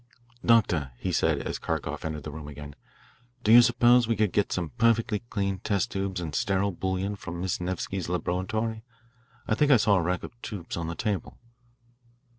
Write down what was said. "Doctor," he said, as Kharkoff entered the room again, "do you suppose you could get some perfectly clean test tubes and sterile bouillon from Miss Nevsky's laboratory? I think I saw a rack of tubes on the table."